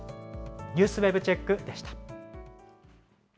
ＮＥＷＳＷＥＢチェックでした。